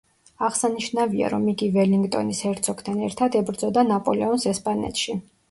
აღსანიშნავია, რომ იგი ველინგტონის ჰერცოგთან ერთად ებრძოდა ნაპოლეონს ესპანეთში.